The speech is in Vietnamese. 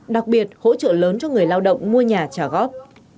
đặc biệt hỗ trợ lớn cho người lao động mua nhà trả góp